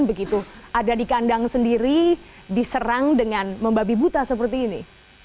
begitu ada di kandang sendiri diserang dengan membabi buta seperti ini